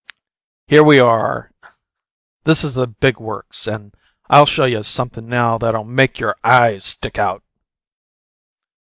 Here we are. This is the big works, and I'll show you something now that'll make your eyes stick out!"